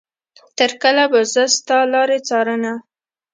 تر کله به زه ستا لارې څارنه.